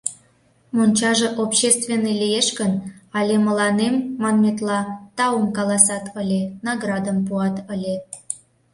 Мончаже общественный лиеш гын, але мыланем, манметла, таум каласат ыле, наградым пуат ыле...